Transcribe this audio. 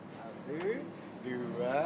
satu dua tiga